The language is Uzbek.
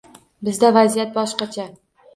Bizda vaziyat boshqacha: